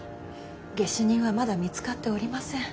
下手人はまだ見つかっておりません。